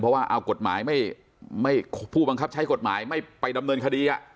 เพราะว่าเอากฎหมายผู้บังคับใช้กฎหมายไม่ไปดำเนินคดี